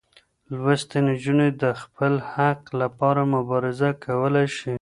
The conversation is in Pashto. لوستې نجونې د خپل حق لپاره مبارزه کولی شي.